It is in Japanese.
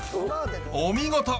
お見事！